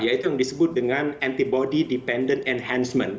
yaitu yang disebut dengan antibody dependent enhancement